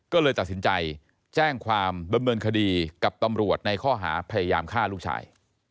ก็เลยตัดสินใจแจ้งความดำเนินคดีกับตำรวจในข้อหาพยายามฆ่าลูกชาย